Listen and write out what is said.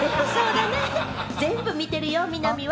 全部見てるよ、みな実は。